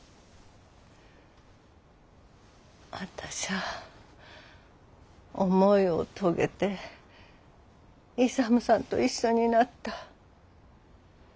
私ゃあ思いを遂げて勇さんと一緒になった。